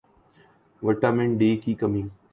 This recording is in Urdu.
وٹامن ڈی کی کمی